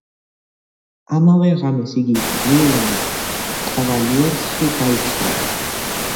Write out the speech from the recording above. ამავე ღამეს იგი კლივლენდ კავალიერსში გაიცვალა.